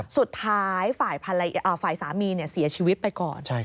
สุดท้ายฝ่ายสามีเสียชีวิตไปก่อน